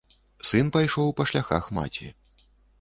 Сын пайшоў па шляхах маці.